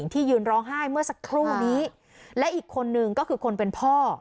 ที่ยืนร้องไห้เมื่อสักครู่นี้และอีกคนนึงก็คือคนเป็นพ่อ